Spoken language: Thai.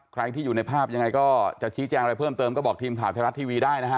ใครที่อยู่ในภาพยังไงก็จะชี้แจงอะไรเพิ่มเติมก็บอกทีมข่าวไทยรัฐทีวีได้นะฮะ